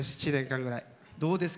どうですか？